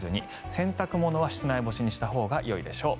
洗濯物は室内干しにしたほうがよいでしょう。